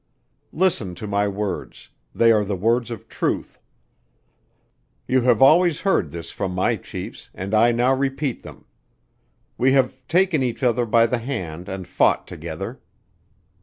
Listen to my words they are the words of truth. You have always heard this from my chiefs, and I now repeat them. We have taken each other by the hand and fought together.